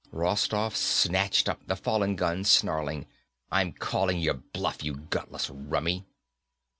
Rostoff snatched up the fallen gun, snarling, "I'm calling your bluff, you gutless rummy."